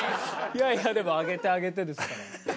いやいやでも上げて上げてですから。